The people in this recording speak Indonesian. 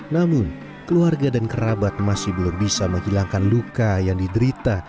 namun keluarga dan kerabat masih belum bisa menghilangkan luka yang diderita